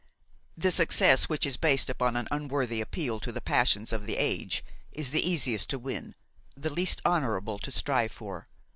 The success which is based upon an unworthy appeal to the passions of the age is the easiest to win, the least honorable to strive for.